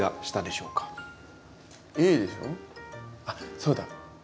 あっそうだ。